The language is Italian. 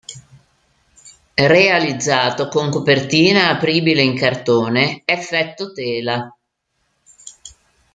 Realizzato con copertina apribile in cartone "effetto tela".